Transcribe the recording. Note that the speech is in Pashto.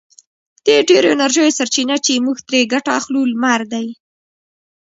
د ډېرو انرژیو سرچینه چې موږ ترې ګټه اخلو لمر دی.